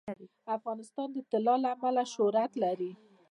افغانستان د طلا له امله شهرت لري.